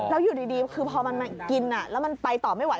แล้วอยู่ดีคือพอมันมากินแล้วมันไปต่อไม่ไหว